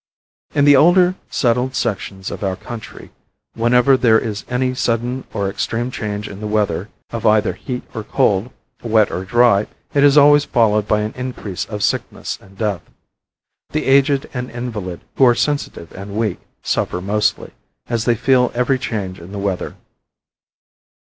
In the older settled sections of our country, whenever there is any sudden or extreme change in the weather of either heat or cold, wet or dry, it is always followed by an increase of sickness and death. The aged and invalid, who are sensitive and weak, suffer mostly, as they feel every change in the weather.